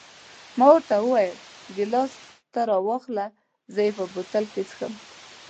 ما ورته وویل: ګیلاس ته واخله، زه یې په بوتل کې څښم.